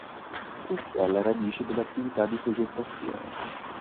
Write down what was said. Questa è la radice dell'attività di progettazione.